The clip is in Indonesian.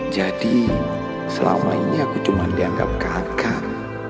jadi selama ini aku cuma dianggap kakak